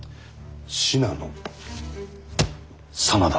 信濃真田。